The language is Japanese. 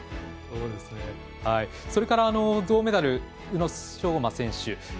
それから銅メダル、宇野昌磨選手。